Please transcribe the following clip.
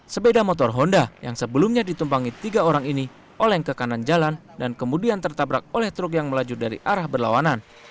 sepeda motor honda yang sebelumnya ditumpangi tiga orang ini oleng ke kanan jalan dan kemudian tertabrak oleh truk yang melaju dari arah berlawanan